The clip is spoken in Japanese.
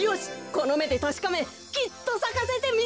このめでたしかめきっとさかせてみせる！